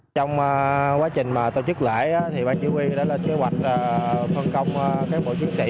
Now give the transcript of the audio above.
trong quá trình tổ chức lễ bà chỉ huy đã lên kế hoạch phân công các bộ chiến sĩ